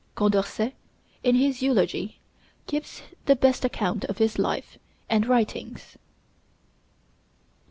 Condorcet, in his 'Eulogy,' gives the best account of his life and writings.